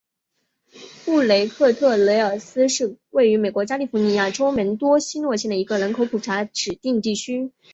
布鲁克特雷尔斯是位于美国加利福尼亚州门多西诺县的一个人口普查指定地区。